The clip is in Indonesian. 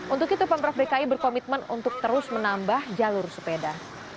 untuk itu pemprov dki berkomitmen untuk terus menambah jalur sepeda